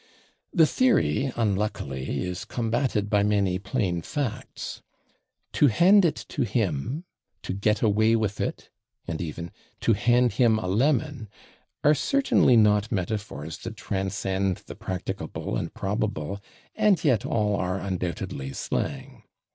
" The theory, unluckily, is combated by many plain facts. /To hand it to him/, /to get away with it/ and even /to hand him a lemon/ are certainly not metaphors that transcend the practicable and probable, and yet all are undoubtedly slang.